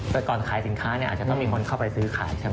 แต่ก่อนขายสินค้าเนี่ยอาจจะต้องมีคนเข้าไปซื้อขายใช่ไหม